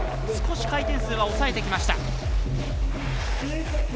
少し回転数は抑えてきました。